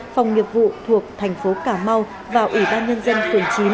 phòng nghiệp vụ thuộc tp cà mau và ủy ban nhân dân phường chín